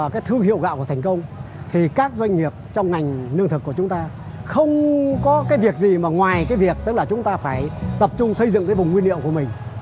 các doanh nghiệp trong ngành nương thực của chúng ta không có việc gì ngoài việc tập trung xây dựng vùng nguyên liệu của mình